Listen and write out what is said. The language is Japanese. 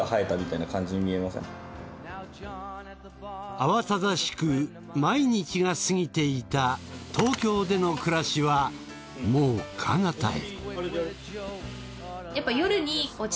慌ただしく毎日が過ぎていた東京での暮らしはもう彼方へ。